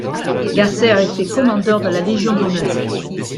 Gasser est fait Commandeur de la Légion d'honneur.